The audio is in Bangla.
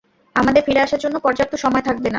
আপনাদের ফিরে আসার জন্য পর্যাপ্ত সময় থাকবে না।